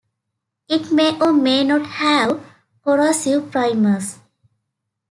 It may or may not have corrosive primers.